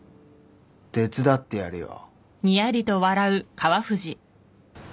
手伝ってやるよ。